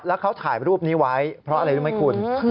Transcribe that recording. แล้วเขาถ่ายรูปนี้ไว้เพราะอะไรรู้ไหมคุณ